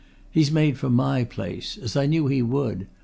"He's made for my place as I knew he would.